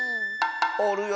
おるよ